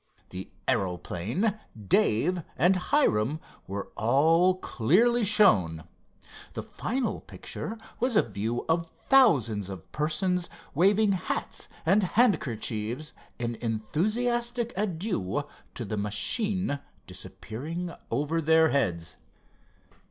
The aeroplane, Dave, and Hiram were all clearly shown. The final picture was a view of thousands of persons waving hats and handkerchiefs in enthusiastic adieu to the machine disappearing over their heads.